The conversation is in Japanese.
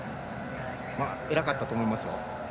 偉かったと思いますよ。